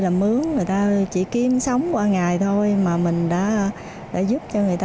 làm ướng người ta chỉ kiếm sống qua ngày thôi mà mình đã giúp cho người ta